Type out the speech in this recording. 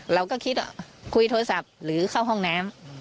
เราก็คิดว่าคุยโทรศัพท์หรือเข้าห้องน้ำ